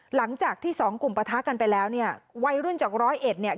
หลังจากที่สองกลุ่มปะทะกันไปแล้วเนี่ยวัยรุ่นจากร้อยเอ็ดเนี่ย